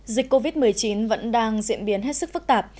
dịch covid một mươi chín vẫn đang diễn biến hết sức phức tạp